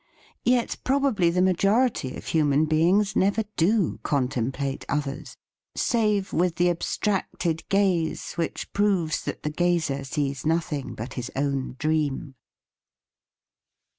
Yet probably the majority of human beings never do contemplate others, save with the abstracted gaze which proves that the gazer sees nothing but his own dream.